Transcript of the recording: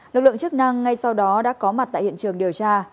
lực lượng chức năng ngay sau đó đã có mặt tại hiện trường điều tra